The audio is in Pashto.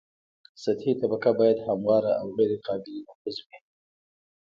سطحي طبقه باید همواره او غیر قابل نفوذ وي